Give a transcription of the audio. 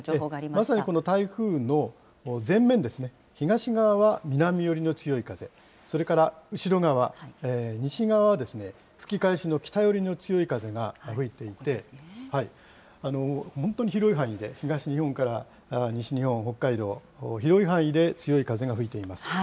まさにこの台風の全面ですね、東側は南寄りの強い風、それから後ろ側、西側は吹き返しの北寄りの強い風が吹いていて、本当に広い範囲で、東日本から西日本、北海道、広い範囲で強い風が吹いています。